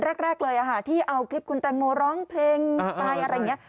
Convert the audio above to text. แรกเลยที่เอาคลิปคุณแตงโมร้องเพลงไปอะไรอย่างนี้